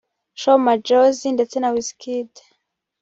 Sho Madjozi ndetse na Wizkid